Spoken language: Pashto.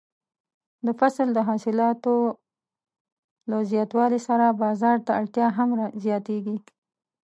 د فصل د حاصلاتو له زیاتوالي سره بازار ته اړتیا هم زیاتیږي.